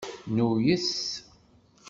Nuyes.